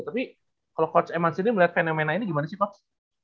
tapi kalo coach emans ini melihat fenomena ini gimana sih coach